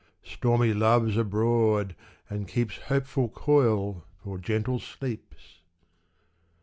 Stormy Love's abroad, and keeps Hopeful coil for gentle sleeps.